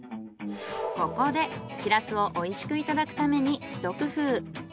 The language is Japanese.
ここでシラスをおいしくいただくためにひと工夫。